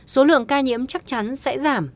số lượng ca nhiễm chắc chắn sẽ giảm